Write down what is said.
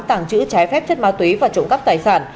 tảng chữ trái phép chất ma túy và trộm cắp tài sản